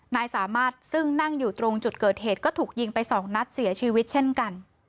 นายสามารถซึ่งนั่งอยู่ตรงจุดเกิดเหตุก็ถูกยิงไปสองนัดเสียชีวิตเช่นกัน